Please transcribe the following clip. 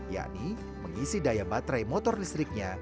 yakni mengisi daya baterai motor listriknya di rumah sepeda motor listriknya